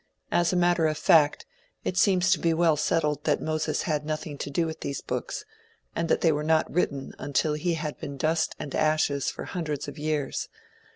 As a matter of fact, it seems to be well settled that Moses had nothing to do with these books, and that they were not written until he had been dust and ashes for hundreds of years.